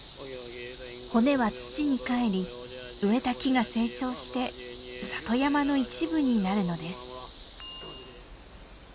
骨は土にかえり植えた木が成長して里山の一部になるのです。